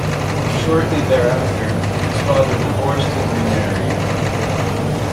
Shortly thereafter, his father divorced and remarried.